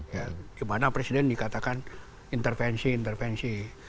ya gimana presiden dikatakan intervensi intervensi